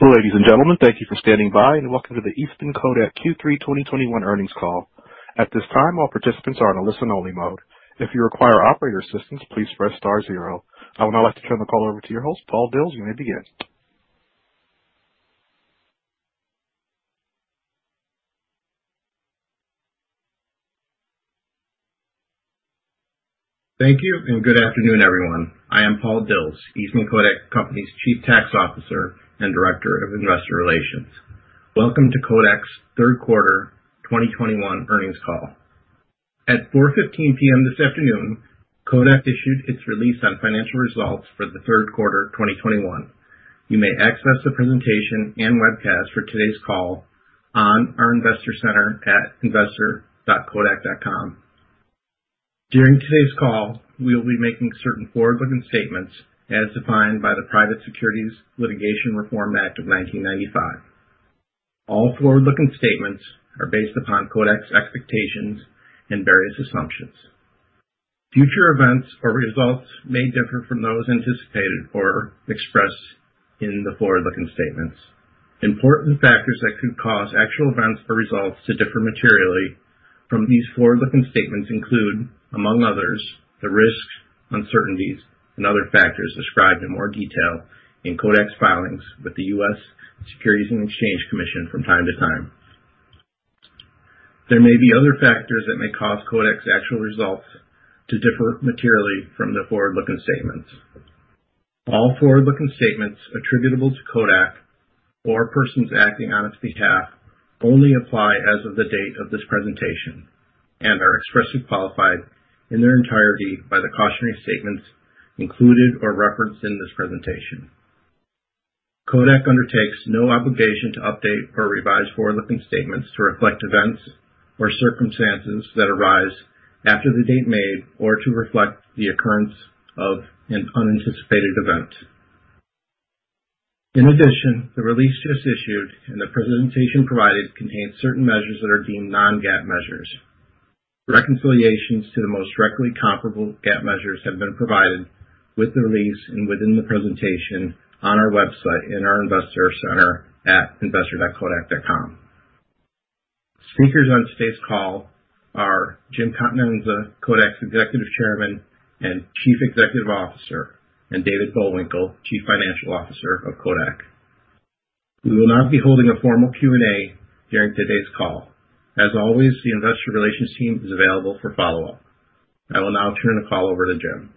Ladies and gentlemen, thank you for standing by, and welcome to the Eastman Kodak Q3 2021 earnings call. At this time, all participants are in a listen only mode. If you require operator assistance, please press star zero. I would now like to turn the call over to your host, Paul Dils. You may begin. Thank you, and good afternoon, everyone. I am Paul Dils, Eastman Kodak Company's Chief Tax Officer and Director of Investor Relations. Welcome to Kodak's third quarter 2021 earnings call. At 4 P.M. this afternoon, Kodak issued its release on financial results for the third quarter of 2021. You may access the presentation and webcast for today's call on our investor center at investor.kodak.com. During today's call, we will be making certain forward-looking statements as defined by the Private Securities Litigation Reform Act of 1995. All forward-looking statements are based upon Kodak's expectations and various assumptions. Future events or results may differ from those anticipated or expressed in the forward-looking statements. Important factors that could cause actual events or results to differ materially from these forward-looking statements include, among others, the risks, uncertainties, and other factors described in more detail in Kodak's filings with the U.S. Securities and Exchange Commission from time to time. There may be other factors that may cause Kodak's actual results to differ materially from the forward-looking statements. All forward-looking statements attributable to Kodak or persons acting on its behalf only apply as of the date of this presentation, and are expressly qualified in their entirety by the cautionary statements included or referenced in this presentation. Kodak undertakes no obligation to update or revise forward-looking statements to reflect events or circumstances that arise after the date made or to reflect the occurrence of an unanticipated event. In addition, the release just issued and the presentation provided contains certain measures that are deemed non-GAAP measures. Reconciliations to the most directly comparable GAAP measures have been provided with the release and within the presentation on our website in our investor center at investor.kodak.com. Speakers on today's call are Jim Continenza, Kodak's Executive Chairman and Chief Executive Officer, and David Bullwinkle, Chief Financial Officer of Kodak. We will not be holding a formal Q&A during today's call. As always, the investor relations team is available for follow-up. I will now turn the call over to Jim.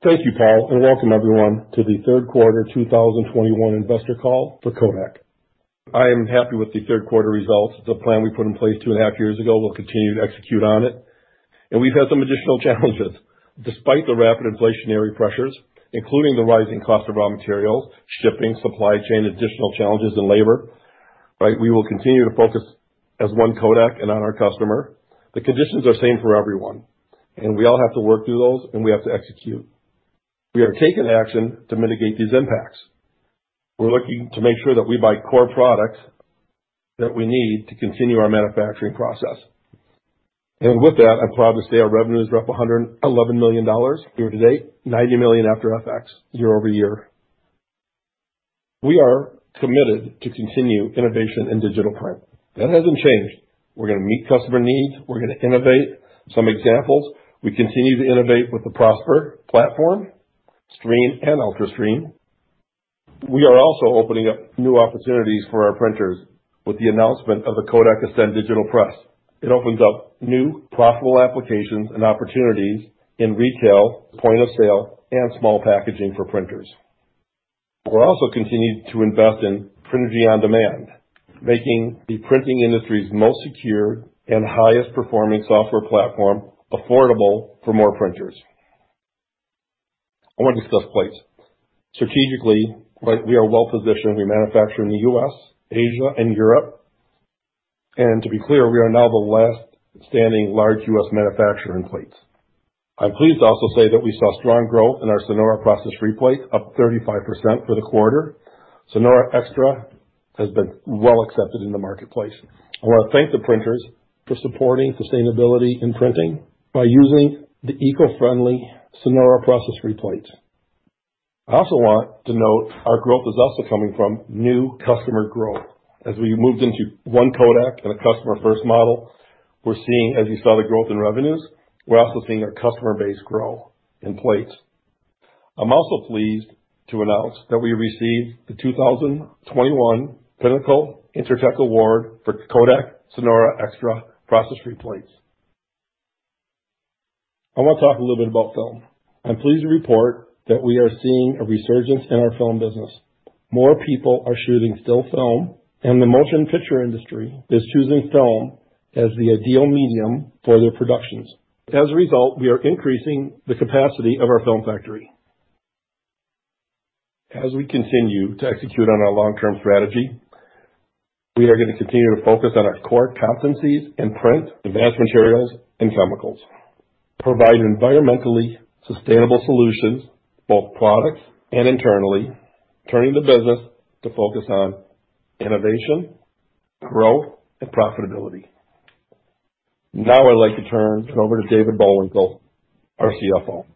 Thank you, Paul Dils, and welcome everyone to the third quarter 2021 investor call for Kodak. I am happy with the third quarter results. The plan we put in place two and a half years ago, we'll continue to execute on it, and we've had some additional challenges. Despite the rapid inflationary pressures, including the rising cost of raw materials, shipping, supply chain, additional challenges in labor, right? We will continue to focus as One Kodak and on our customer. The conditions are the same for everyone, and we all have to work through those and we have to execute. We have taken action to mitigate these impacts. We're looking to make sure that we buy core products that we need to continue our manufacturing process. With that, I'm proud to say our revenue is up $111 million year to date, $90 million after FX year over year. We are committed to continue innovation in digital print. That hasn't changed. We're gonna meet customer needs. We're gonna innovate. Some examples, we continue to innovate with the Prosper platform, Stream and UltraStream. We are also opening up new opportunities for our printers with the announcement of the KODAK ASCEND Digital Press. It opens up new profitable applications and opportunities in retail, point of sale, and small packaging for printers. We're also continuing to invest in PRINERGY On Demand, making the printing industry's most secure and highest performing software platform affordable for more printers. I wanna discuss plates. Strategically, right, we are well positioned. We manufacture in the U.S., Asia, and Europe. To be clear, we are now the last standing large U.S. manufacturer in plates. I'm pleased to also say that we saw strong growth in our SONORA Process Free plate, up 35% for the quarter. SONORA XTRA has been well accepted in the marketplace. I wanna thank the printers for supporting sustainability in printing by using the eco-friendly SONORA Process Free plate. I also want to note our growth is also coming from new customer growth. As we moved into one Kodak and a customer first model, we're seeing, as you saw, the growth in revenues, we're also seeing our customer base grow in plates. I'm also pleased to announce that we received the 2021 Pinnacle InterTech Award for KODAK SONORA XTRA Process Free plates. I wanna talk a little bit about film. I'm pleased to report that we are seeing a resurgence in our film business. More people are shooting still film, and the motion picture industry is choosing film as the ideal medium for their productions. As a result, we are increasing the capacity of our film factory. As we continue to execute on our long-term strategy, we are gonna continue to focus on our core competencies in print, Advanced Materials, and chemicals, provide environmentally sustainable solutions for products and internally, turning the business to focus on innovation, growth, and profitability. Now I'd like to turn it over to David Bullwinkle, our CFO.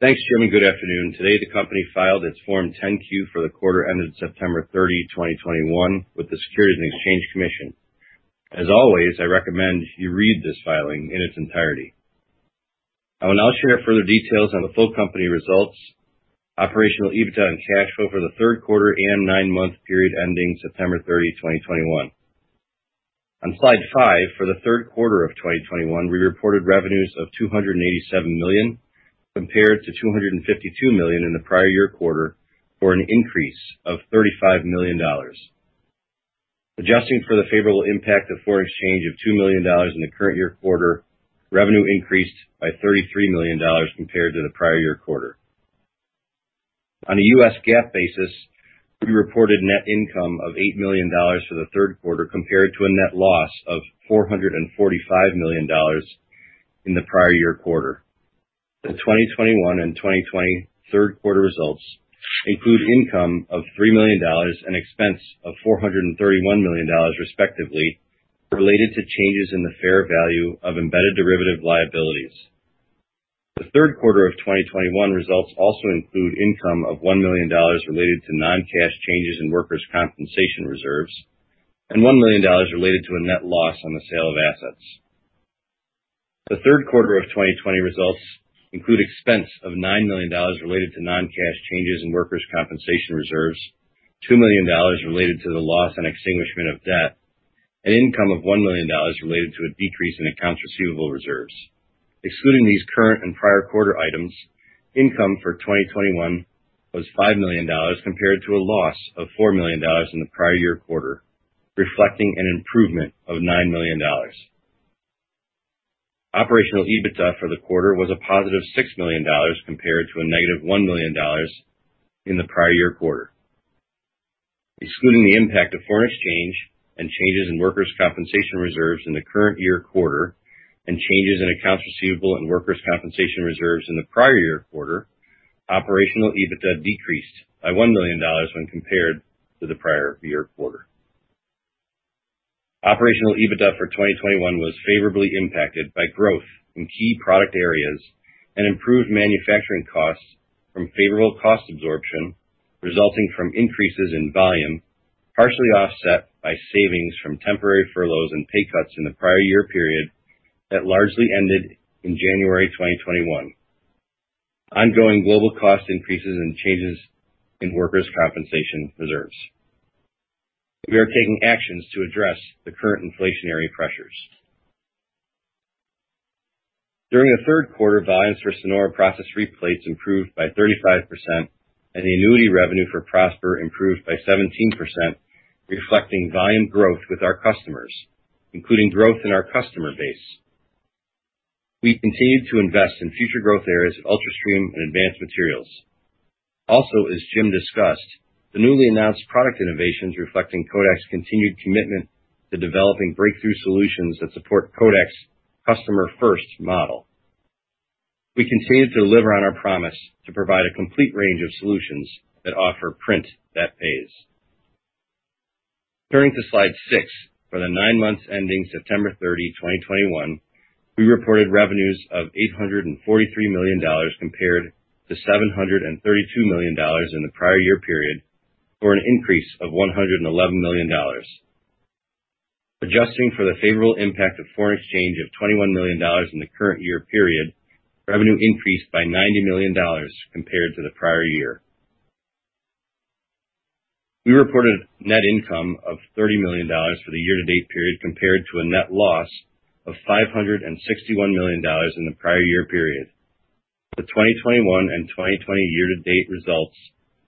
Thanks, Jim, and good afternoon. Today, the company filed its Form 10-Q for the quarter ended September 30, 2021 with the Securities and Exchange Commission. As always, I recommend you read this filing in its entirety. I will now share further details on the full company results, operational EBITDA and cash flow for the third quarter and nine-month period ending September 30, 2021. On slide 5, for the third quarter of 2021, we reported revenues of $287 million, compared to $252 million in the prior year quarter, for an increase of $35 million. Adjusting for the favorable impact of foreign exchange of $2 million in the current year quarter, revenue increased by $33 million compared to the prior year quarter. On a U.S. GAAP basis, we reported net income of $8 million for the third quarter, compared to a net loss of $445 million in the prior year quarter. The 2021 and 2020 third quarter results include income of $3 million and expense of $431 million, respectively, related to changes in the fair value of embedded derivative liabilities. The third quarter of 2021 results also include income of $1 million related to non-cash changes in workers' compensation reserves and $1 million related to a net loss on the sale of assets. The third quarter of 2020 results include expense of $9 million related to non-cash changes in workers' compensation reserves, $2 million related to the loss and extinguishment of debt, and income of $1 million related to a decrease in accounts receivable reserves. Excluding these current and prior quarter items, income for 2021 was $5 million compared to a loss of $4 million in the prior year quarter, reflecting an improvement of $9 million. Operational EBITDA for the quarter was a positive $6 million compared to a negative $1 million in the prior year quarter. Excluding the impact of foreign exchange and changes in workers' compensation reserves in the current year quarter and changes in accounts receivable and workers' compensation reserves in the prior year quarter, operational EBITDA decreased by $1 million when compared to the prior year quarter. Operational EBITDA for 2021 was favorably impacted by growth in key product areas and improved manufacturing costs from favorable cost absorption, resulting from increases in volume, partially offset by savings from temporary furloughs and pay cuts in the prior year period that largely ended in January 2021, and ongoing global cost increases and changes in workers' compensation reserves. We are taking actions to address the current inflationary pressures. During the third quarter, volumes for Sonora Process Free Plates improved by 35% and the annuity revenue for Prosper improved by 17%, reflecting volume growth with our customers, including growth in our customer base. We continued to invest in future growth areas at UltraStream and Advanced Materials. Also, as Jim discussed, the newly announced product innovations reflecting Kodak's continued commitment to developing breakthrough solutions that support Kodak's customer first model. We continue to deliver on our promise to provide a complete range of solutions that offer print that pays. Turning to slide six. For the nine months ending September 30, 2021, we reported revenues of $843 million compared to $732 million in the prior year period, for an increase of $111 million. Adjusting for the favorable impact of foreign exchange of $21 million in the current year period, revenue increased by $90 million compared to the prior year. We reported net income of $30 million for the year-to-date period compared to a net loss of $561 million in the prior year period. The 2021 and 2020 year-to-date results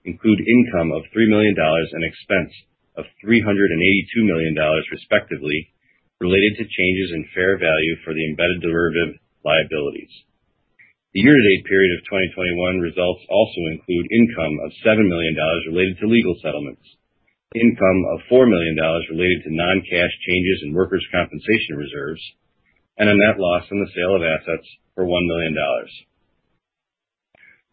include income of $3 million and expense of $382 million, respectively, related to changes in fair value for the embedded derivative liabilities. The year-to-date period of 2021 results also include income of $7 million related to legal settlements, income of $4 million related to non-cash changes in workers' compensation reserves, and a net loss on the sale of assets for $1 million.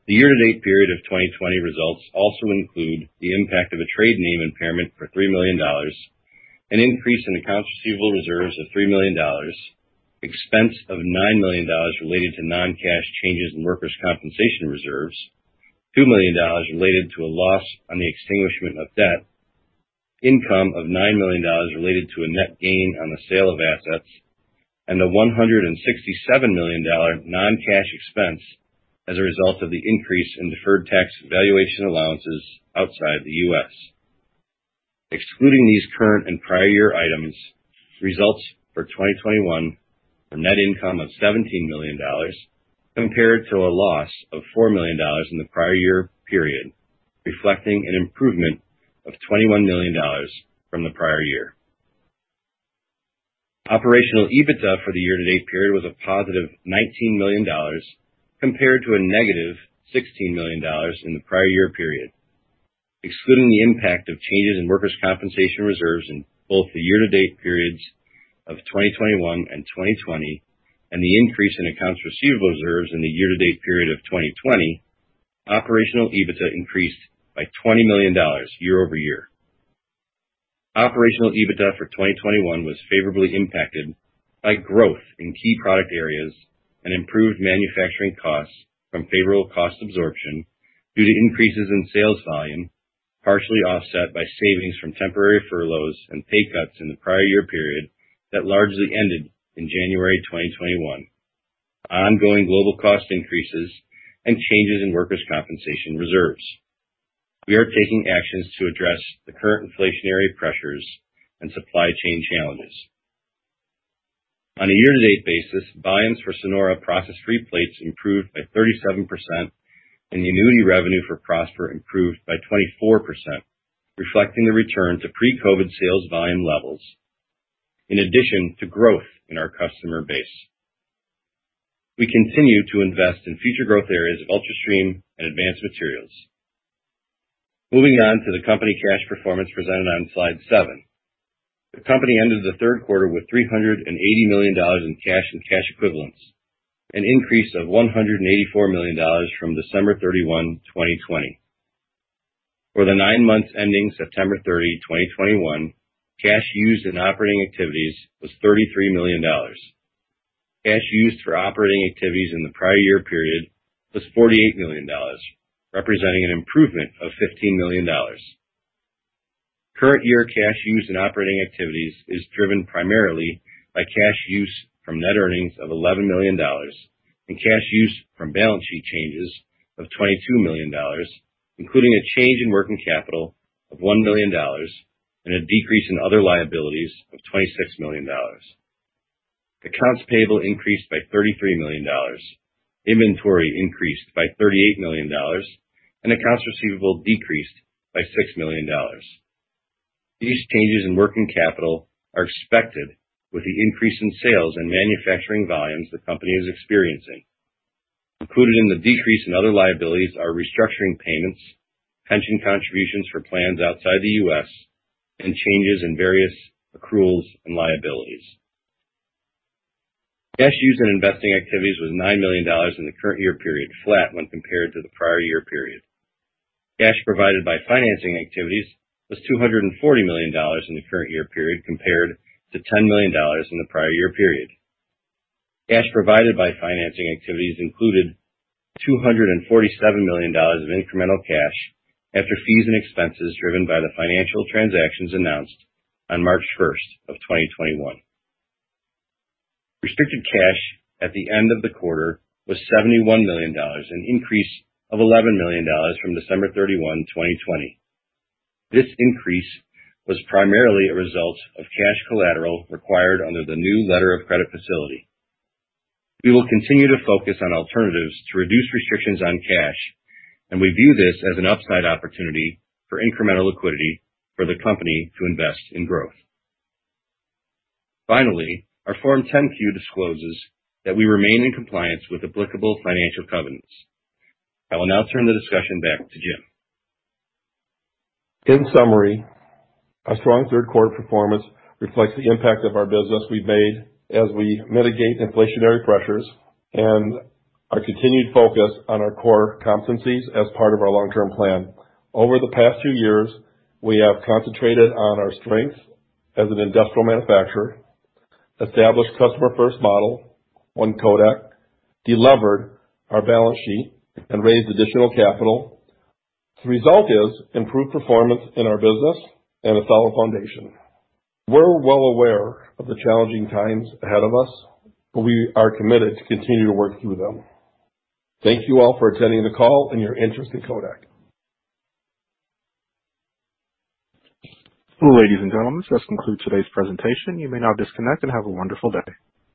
The year-to-date period of 2020 results also include the impact of a trade name impairment for $3 million, an increase in accounts receivable reserves of $3 million, expense of $9 million related to non-cash changes in workers' compensation reserves, $2 million related to a loss on the extinguishment of debt, income of $9 million related to a net gain on the sale of assets, and a $167 million non-cash expense as a result of the increase in deferred tax valuation allowances outside the U.S. Excluding these current and prior year items, results for 2021, a net income of $17 million compared to a loss of $4 million in the prior year period, reflecting an improvement of $21 million from the prior year. Operational EBITDA for the year-to-date period was a positive $19 million compared to a negative $16 million in the prior year period. Excluding the impact of changes in workers' compensation reserves in both the year-to-date periods of 2021 and 2020, and the increase in accounts receivable reserves in the year-to-date period of 2020, Operational EBITDA increased by $20 million year-over-year. Operational EBITDA for 2021 was favorably impacted by growth in key product areas and improved manufacturing costs from favorable cost absorption due to increases in sales volume, partially offset by savings from temporary furloughs and pay cuts in the prior year period that largely ended in January 2021, ongoing global cost increases, and changes in workers' compensation reserves. We are taking actions to address the current inflationary pressures and supply chain challenges. On a year-to-date basis, volumes for SONORA Process Free Plates improved by 37%, and the annuity revenue for Prosper improved by 24%, reflecting a return to pre-COVID sales volume levels in addition to growth in our customer base. We continue to invest in future growth areas of UltraStream and Advanced Materials. Moving on to the company's cash performance presented on slide 7. The company ended the third quarter with $380 million in cash and cash equivalents, an increase of $184 million from December 31, 2020. For the nine months ending September 30, 2021, cash used in operating activities was $33 million. Cash used for operating activities in the prior year period was $48 million, representing an improvement of $15 million. Current year cash used in operating activities is driven primarily by cash use from net earnings of $11 million and cash use from balance sheet changes of $22 million, including a change in working capital of $1 million and a decrease in other liabilities of $26 million. Accounts payable increased by $33 million. Inventory increased by $38 million. Accounts receivable decreased by $6 million. These changes in working capital are expected with the increase in sales and manufacturing volumes the company is experiencing. Included in the decrease in other liabilities are restructuring payments, pension contributions for plans outside the U.S., and changes in various accruals and liabilities. Cash used in investing activities was $9 million in the current year period, flat when compared to the prior year period. Cash provided by financing activities was $240 million in the current year period compared to $10 million in the prior year period. Cash provided by financing activities included $247 million of incremental cash after fees and expenses driven by the financial transactions announced on March one, 2021. Restricted cash at the end of the quarter was $71 million, an increase of $11 million from December 31, 2020. This increase was primarily a result of cash collateral required under the new letter of credit facility. We will continue to focus on alternatives to reduce restrictions on cash, and we view this as an upside opportunity for incremental liquidity for the company to invest in growth. Finally, our Form 10-Q discloses that we remain in compliance with applicable financial covenants. I will now turn the discussion back to Jim. In summary, our strong third quarter performance reflects the impact of our business moves we've made as we mitigate inflationary pressures and our continued focus on our core competencies as part of our long-term plan. Over the past few years, we have concentrated on our strengths as an industrial manufacturer, established customer-first model, One Kodak, delevered our balance sheet, and raised additional capital. The result is improved performance in our business and a solid foundation. We're well aware of the challenging times ahead of us, but we are committed to continue to work through them. Thank you all for attending the call and your interest in Kodak. Ladies and gentlemen, this concludes today's presentation. You may now disconnect and have a wonderful day.